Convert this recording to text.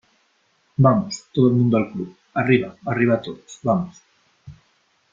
¡ vamos !¡ todo el mundo al club !¡ arriba , arriba todos , vamos !